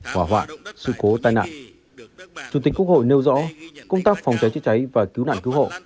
hỏa hoạn sự cố tai nạn chủ tịch quốc hội nêu rõ công tác phòng cháy chữa cháy và cứu nạn cứu hộ